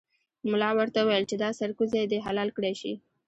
ملا ورته وویل چې دا سرکوزی دې حلال کړای شي.